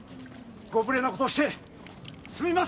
ご無礼な事をしてすみませんでした！